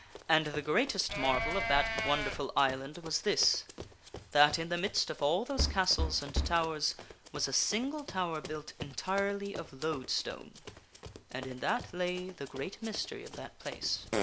And the greatest marvel of that wonderful island was this : that in the 160 PROLOGUE midst of all those castles and towers was a single tower built entirely of loadstone. And in that lay the great mystery of that place.